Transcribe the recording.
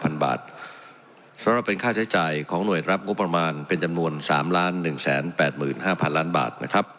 และเป็นค่าใช้จ่ายเป็น๓๑๘๕ล้านบาท